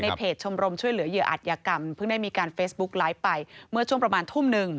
เพจชมรมช่วยเหลือเหยื่ออัตยกรรมเพิ่งได้มีการเฟซบุ๊กไลฟ์ไปเมื่อช่วงประมาณทุ่มหนึ่ง